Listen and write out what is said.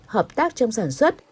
hợp tác trong sản xuất